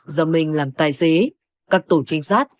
do minh làm tài xế các tổ trinh sát